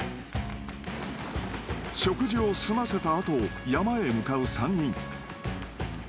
［食事を済ませた後山へ向かう３人］